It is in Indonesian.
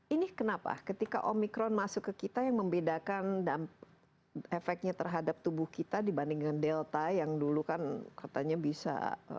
ini kenapa ketika omikron masuk ke kita yang membedakan efeknya terhadap tubuh kita dibandingkan delta yang dulu kan katanya bisa